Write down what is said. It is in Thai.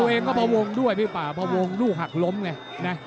ตัวเองก็มาวงด้วยพี่ป่าพอวงลูกหักล้มไงนะ